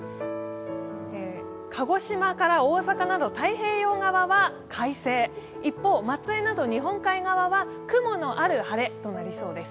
鹿児島から大阪など太平洋側は快晴、一方、松江など日本海側は雲もある晴れとなります。